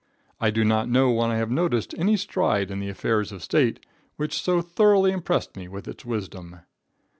I do not know when I have noticed any stride in the affairs of state, which so thoroughly impressed me with its wisdom.